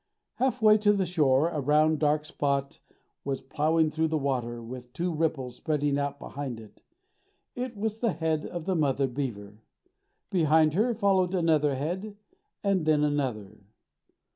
Half way to the shore a round, dark spot was ploughing through the water, with two ripples spreading out behind it. It was the head of the mother beaver. Behind her followed another head, and then another.